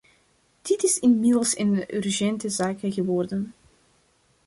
Dit is inmiddels een urgente zaak geworden.